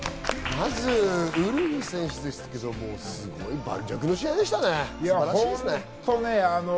まずウルフ選手ですけど、盤石の試合でしたね。